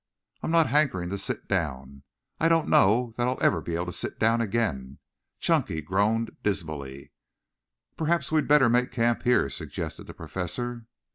I'm not hankering to sit down. I don't know that I'll ever be able to sit down again." Chunky groaned dismally. "Perhaps we had better make camp here," suggested the Professor.